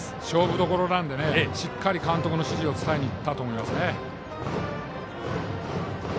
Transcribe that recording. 勝負どころなのでしっかり監督の指示を伝えにいったと思いますね。